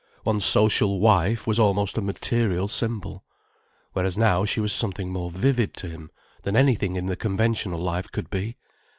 One's social wife was almost a material symbol. Whereas now she was something more vivid to him than anything in conventional life could be.